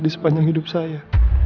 di sepanjang hidup saya